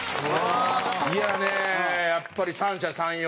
いやねやっぱり三者三様。